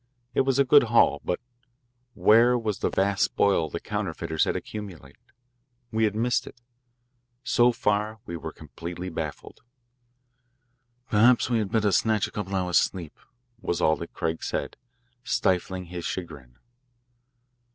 It was a good "haul," but where was the vast spoil the counterfeiters had accumulated? We had missed it. So far we were completely baffled. "Perhaps we had better snatch a couple of hours' sleep," was all that Craig said, stifling his chagrin.